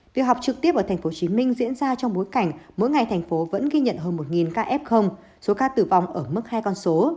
việc học trực tiếp ở tp hcm diễn ra trong bối cảnh mỗi ngày thành phố vẫn ghi nhận hơn một ca f số ca tử vong ở mức hai con số